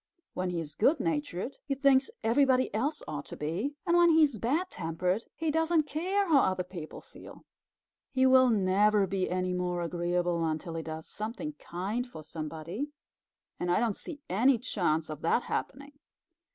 When he is good natured, he thinks everybody else ought to be; and when he is bad tempered he doesn't care how other people feel. He will never be any more agreeable until he does something kind for somebody, and I don't see any chance of that happening."